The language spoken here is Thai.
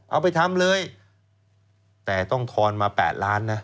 เอาไปทำเลยแต่ต้องทอนมา๘ล้านนะ